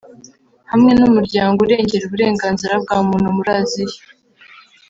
hamwe n’Umuryango urengera uburenganzira bwa muntu muri Asia